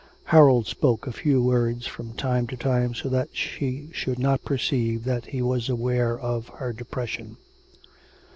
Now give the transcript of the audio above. Harold spoke a few words from time to time so that she should not perceive that he was aware of her depression.